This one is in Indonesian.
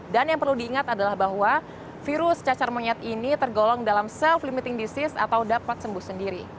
yang perlu diingat adalah bahwa virus cacar monyet ini tergolong dalam self limiting disease atau dapat sembuh sendiri